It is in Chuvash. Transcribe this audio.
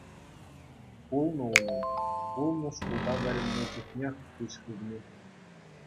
Пулнӑ унӑн, пулнӑ шкулта вӗреннӗ чухнех куҫ хывни.